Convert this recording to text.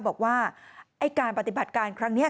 บอกว่าไอ้การปฏิบัติการครั้งนี้